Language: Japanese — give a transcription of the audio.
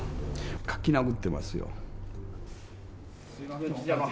書きなぐってますよ。